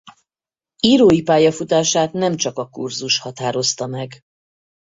Írói pályafutását nem csak a kurzus határozta meg.